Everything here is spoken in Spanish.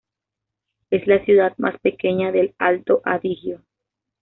Es la ciudad más pequeña del Alto Adigio.